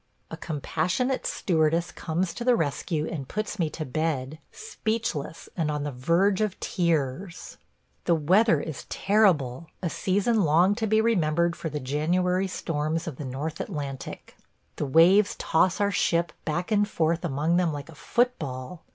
A compassionate stewardess comes to the rescue and puts me to bed – speechless and on the verge of tears. ... The weather is terrible – a season long to be remembered for the January storms of the north Atlantic. The waves toss our ship back and forth among them like a football.